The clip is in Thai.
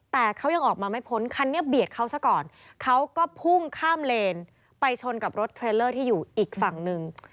แต่เขายังออกมาไม่พ้นคันนี้เบียดเขาซะก่อนเขาก็พุ่งข้ามเลนไปชนกับรถเทรลเลอร์ที่อยู่อีกฝั่งหนึ่ง